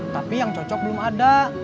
tapi yang cocok belum ada